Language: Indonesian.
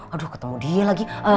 aduh ketemu dia lagi